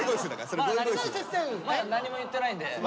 まだ何も言ってないんで。